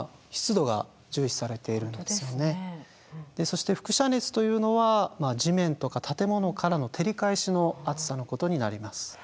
そして輻射熱というのは地面とか建物からの照り返しの暑さのことになります。